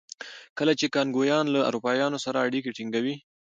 کله چې کانګویان له اروپایانو سره اړیکې ټینګوي.